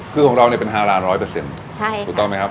คือของเราเนี่ยเป็น๕ล้าน๑๐๐ถูกต้องไหมครับ